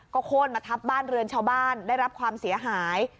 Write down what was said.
โค้นมาทับบ้านเรือนชาวบ้านได้รับความเสียหาย